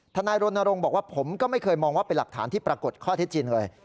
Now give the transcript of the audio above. นายรณรงค์บอกว่าผมก็ไม่เคยมองว่าเป็นหลักฐานที่ปรากฏข้อเท็จจริงเลย